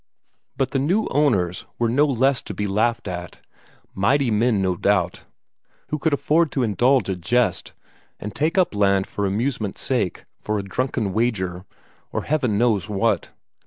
But the new owners were no less to be laughed at; mighty men, no doubt, who could afford to indulge in a jest, and take up land for amusement's sake, for a drunken wager, or Heaven knows what.